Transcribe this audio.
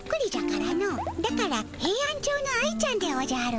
だからヘイアンチョウの愛ちゃんでおじゃる。